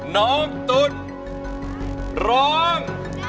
น้องตุ๋นร้อง